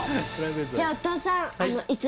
じゃあお父さん。